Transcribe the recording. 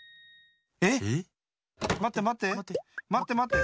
えっ⁉まってまって。